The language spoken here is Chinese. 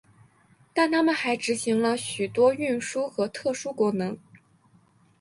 但他们还执行了许多运输和特殊功能。